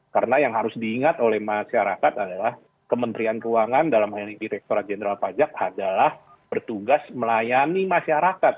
karena yang harus diingat oleh masyarakat adalah kementerian keuangan dalam hal yang direkturat jenderal pajak adalah bertugas melayani masyarakat